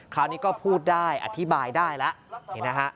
คราวนี้ก็พูดได้อธิบายได้แล้ว